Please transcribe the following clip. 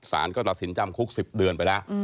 สารก็ตัดสินจำคุก๑๐เดือนไปแล้ว